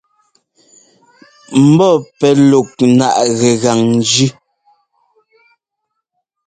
Mbɔ́ pɛ́ luk náʼ gɛgan njʉ.